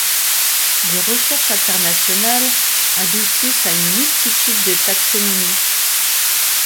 Les recherches internationales aboutissent à une multitude de taxonomies.